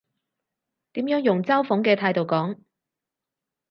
點樣用嘲諷嘅態度講？